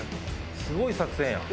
すごい作戦やん。